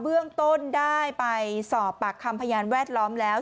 เบื้องต้นได้ไปสอบปากคำพยานแวดล้อมแล้ว